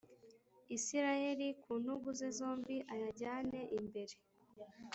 Isirayeli ku ntugu ze zombi ayajyane imbere